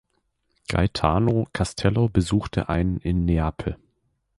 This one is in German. Gaetano Castello besuchte ein in Neapel.